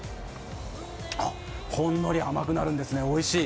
ほんのり甘くなるんですね、おいしい。